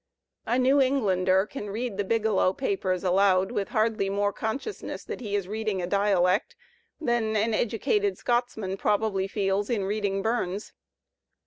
A New Englander can read "The Biglow Papers" aloud with hardly more consciousness that he is reading a dialect than an educated Scotsman (probably) feels in reading Bums.